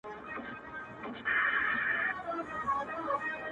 وړانګي د سبا به د سوالونو ګرېوان څیري کي؛